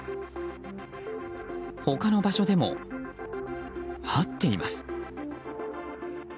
他の場所でも、はっています。